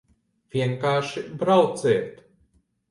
Vienkārši brauciet!